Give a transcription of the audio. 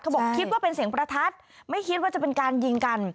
บอกคิดว่าเป็นเสียงประทัดไม่คิดว่าจะเป็นการยิงกัน